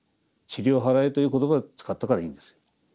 「塵を払え」という言葉を使ったからいいんです。